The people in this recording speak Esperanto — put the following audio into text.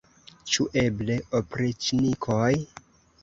Ĉu eble opriĉnikoj?